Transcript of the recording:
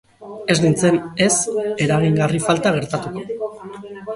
Ez nintzen, ez, eragingarri falta gertatuko.